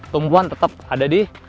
tumpuan tetap ada di